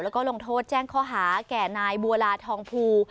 แล้วก็ลงโทษแจ้งข้อหาแก่นายบัวลาทองภู